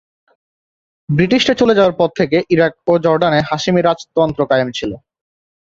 ব্রিটিশরা চলে যাওয়ার পর থেকে ইরাক ও জর্ডানে হাশেমি রাজতন্ত্র কায়েম ছিল।